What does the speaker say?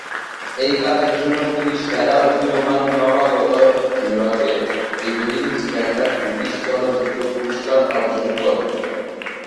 এই কাজের জন্য তিনি সেরা উদীয়মান নবাগত বিভাগে ইভনিং স্ট্যান্ডার্ড ব্রিটিশ চলচ্চিত্র পুরস্কার অর্জন করেন।